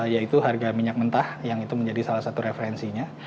yaitu harga minyak mentah yang itu menjadi salah satu referensinya